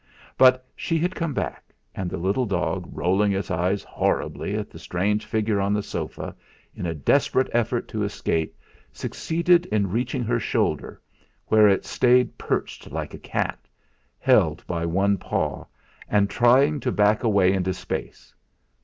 But she had come back, and the little dog, rolling its eyes horribly at the strange figure on the sofa, in a desperate effort to escape succeeded in reaching her shoulder, where it stayed perched like a cat, held by one paw and trying to back away into space.